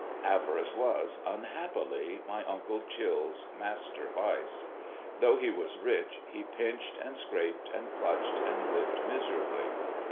Avarice was, unhappily, my uncle Chill's master vice. Though he was rich, he pinched, and scraped, and clutched, and lived miserably.